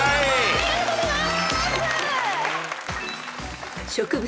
ありがとうございます！